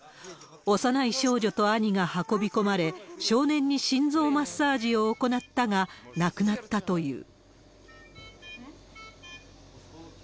幼い少女と兄が運び込まれ、少年に心臓マッサージを行ったが、亡くなったという。